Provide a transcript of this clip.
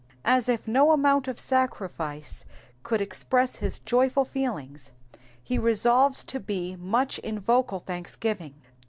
^^ As if no amount of sacrifice could express his joyful feelings, he resolves to be much in vocal thanksgiving.